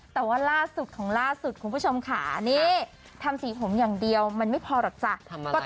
แต่ล่าสุดของล่าสุดคุณผู้ชมถามสีผมอย่างเดียวมันไม่พอนะจักทำอะไรยะ